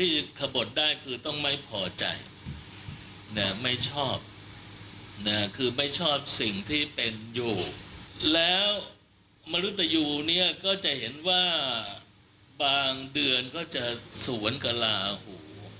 ที่เป็นอยู่แล้วมรุตยูเนี้ยก็จะเห็นว่าบางเดือนก็จะสวนกะลาหู